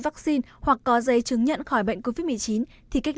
vaccine hoặc có giấy chứng nhận khỏi bệnh covid một mươi chín thì cách